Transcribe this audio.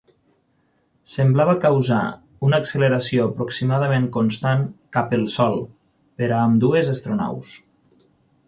Semblava causar una acceleració aproximadament constant cap el sol per a ambdues astronaus.